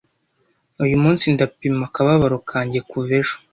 uyu munsi ndapima akababaro kanjye kuva ejo